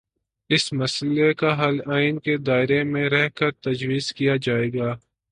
اس مسئلے کا حل آئین کے دائرے میں رہ کرتجویز کیا جائے گا۔